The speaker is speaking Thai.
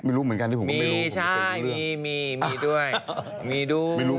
มีรูปเหมือนกันที่ผมก็ไม่รู้